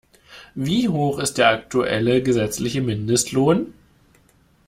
Wie hoch ist der aktuelle gesetzliche Mindestlohn?